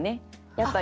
やっぱり。